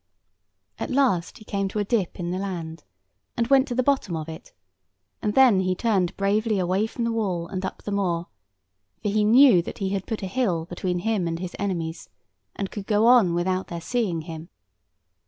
At last he came to a dip in the land, and went to the bottom of it, and then he turned bravely away from the wall and up the moor; for he knew that he had put a hill between him and his enemies, and could go on without their seeing him.